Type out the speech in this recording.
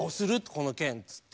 この件」っつって。